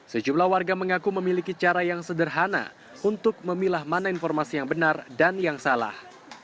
sejumlah warga mengaku memiliki cara yang sederhana untuk memilah mana informasi yang benar dan yang salah